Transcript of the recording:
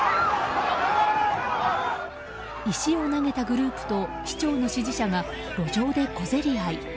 石を投げたグループと市長の支持者が路上で小競り合い。